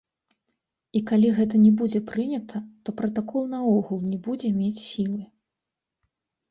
І калі гэта не будзе прынята, то пратакол наогул не будзе мець сілы.